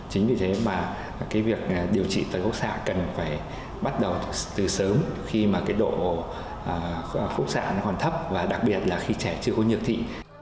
chính vì thế mà cái việc điều trị tại khúc xạ cần phải bắt đầu từ sớm khi mà cái độ phúc xạ nó còn thấp và đặc biệt là khi trẻ chưa có nhược thị